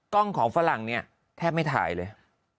กล้องของฝรั่งเนี่ยแทบไม่ถ่ายเลย